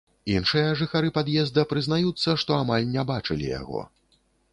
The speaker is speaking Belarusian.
Іншыя жыхары пад'езда прызнаюцца, што амаль не бачылі яго.